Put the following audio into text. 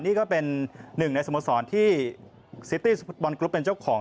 นี่ก็เป็นหนึ่งในสโมสรที่ซิตี้ฟุตบอลกรุ๊ปเป็นเจ้าของ